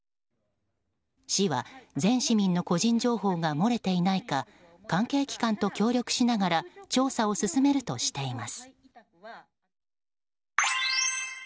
市は全市民の個人情報が漏れていないか関係機関と協力しながら調査を進めるとしています。